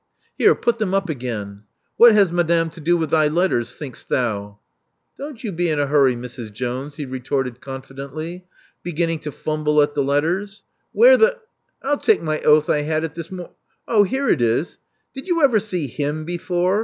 "Here — put them up again. What has madame to do with thy letters, thinkst thou?" '*Don*t you be in a hurry, Mrs. Jones," he retorted confidently, beginning to fumble at the letters. Where the — I'll take my oath I had it this mor — oh, here it is. Did you ever see him before?"